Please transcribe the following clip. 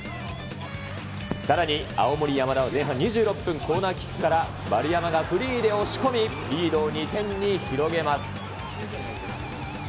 さらに青森山田は前半２６分、コーナーキックから、丸山がフリーで押し込み、リードを２点に広げます。